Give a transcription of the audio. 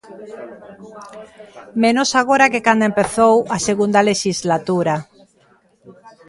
Menos agora que cando empezou a segunda lexislatura.